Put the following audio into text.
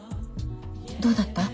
どうだった？